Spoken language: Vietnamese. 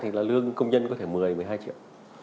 thì là lương công nhân có thể một mươi một mươi hai triệu